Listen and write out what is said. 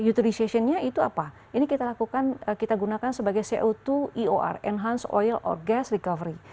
uturization nya itu apa ini kita lakukan kita gunakan sebagai co dua eor enhanced oil orgas recovery